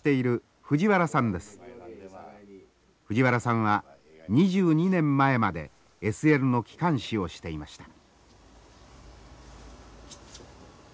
藤原さんは２２年前までＳＬの機関士をしていました。